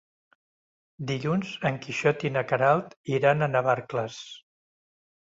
Dilluns en Quixot i na Queralt iran a Navarcles.